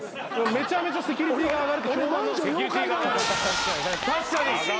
めちゃめちゃセキュリティーが上がるって評判なんですよ。